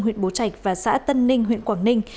huyện bố trạch và xã tân ninh huyện quảng ninh